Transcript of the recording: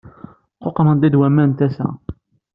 Quqṛen-ten-id waman n tasa.